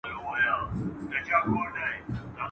چا خوله وازه په حیرت پورته کتله ..